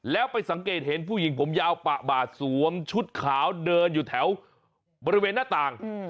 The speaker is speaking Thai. แล้วไปสังเกตเห็นผู้หญิงผมยาวปะบาดสวมชุดขาวเดินอยู่แถวบริเวณหน้าต่าง